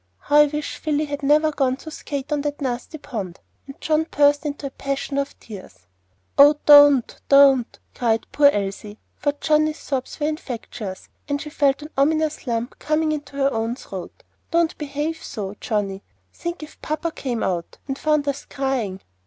How I wish Philly had never gone to skate on that nasty pond!" and John burst into a passion of tears. "Oh, don't, don't!" cried poor Elsie, for Johnnie's sobs were infectious, and she felt an ominous lump coming into her own throat, "don't behave so, Johnnie. Think if papa came out, and found us crying!